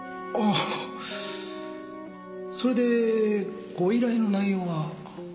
それでご依頼の内容は？